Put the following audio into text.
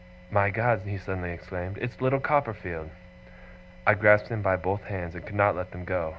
'My God!' he suddenly exclaimed. 'It's little Copperfield!' I grasped him by both hands, and could not let them go.